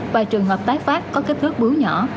và trường hợp tái phát có kích thước bướu nhỏ